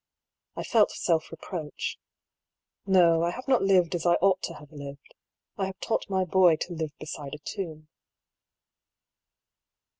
I felt self reproach. Ko, I have not lived as I ought to have lived. I have taught my boy to live beside a tomb.